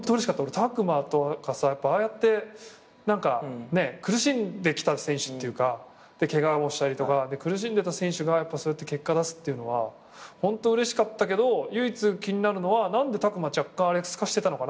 拓磨とかさああやって苦しんできた選手っていうかケガをしたりとか苦しんでた選手がそうやって結果出すっていうのはホントうれしかったけど唯一気になるのは何で拓磨若干スカしてたのかな